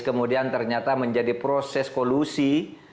kemudian ternyata menjadi proses kolusi